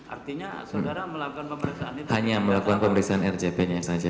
artinya saudara melakukan pemeriksaan ini hanya melakukan pemeriksaan rcp nya saja